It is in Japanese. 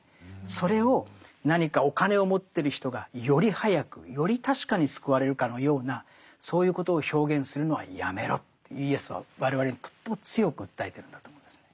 それを何かお金を持ってる人がより早くより確かに救われるかのようなそういうことを表現するのはやめろってイエスは我々にとっても強く訴えてるんだと思うんですね。